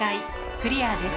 クリアです。